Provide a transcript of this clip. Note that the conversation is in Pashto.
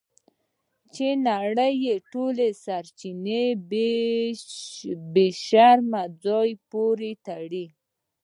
چې نړۍ یې ټول سرچینه د بې شرمۍ په ځای پورې تړي.